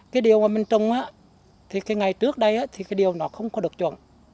cái điều ở bên trong thì ngày trước đây thì cái điều nó không có được chuẩn